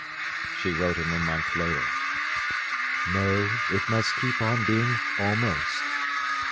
She wrote him a month later: No. It must keep on being almost.